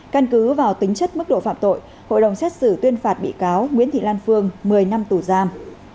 căn cứ vào tính chất mức độ phạm tội hội đồng xét xử tuyên phạt bị cáo nguyễn thị lan phương một mươi năm tù giam